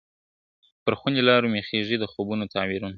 پر خوني لارو مي خیژي د خوبونو تعبیرونه ,